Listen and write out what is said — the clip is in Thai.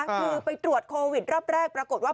คือไปตรวจโควิดรอบแรกปรากฏว่า